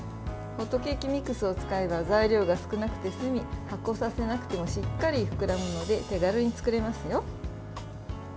ホットケーキミックスを使えば材料が少なくて済み発酵させなくてもしっかり膨らむので手軽に作れますよ。